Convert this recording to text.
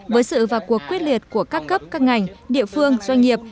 với sự và cuộc quyết liệt của các cấp các ngành địa phương doanh nghiệp